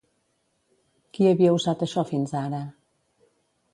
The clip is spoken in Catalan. Qui havia usat això fins ara?